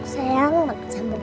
sayang makasih mbak